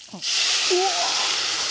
うわ！